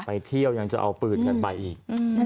ไปเที่ยวยังจะเอาปืนกันไปอีก